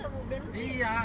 berhenti nggak mungkin